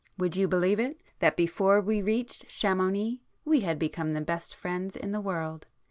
Would you believe it, that before we reached Chamounix we had become the best friends in the world?